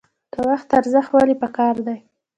د وخت ارزښت ولې پکار دی؟